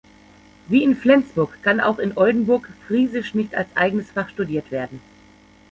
Wie in Flensburg kann auch in Oldenburg Friesisch nicht als eigenes Fach studiert werden.